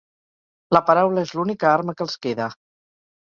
La paraula és l’única arma que els queda…